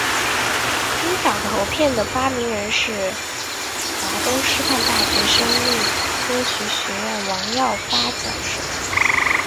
金嗓子喉片的发明人是华东师范大学生命科学学院王耀发教授。